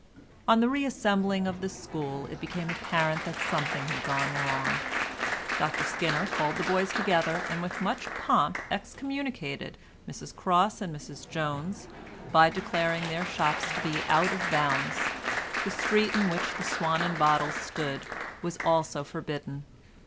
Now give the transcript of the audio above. On the re assembling of the school it became apparent that something had gone wrong. Dr Skinner called the boys together, and with much pomp excommunicated Mrs Cross and Mrs Jones, by declaring their shops to be out of bounds. The street in which the "Swan and Bottle" stood was also forbidden.